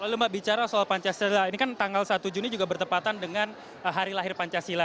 kalau mbak bicara soal pancasila ini kan tanggal satu juni juga bertepatan dengan hari lahir pancasila